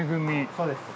そうです。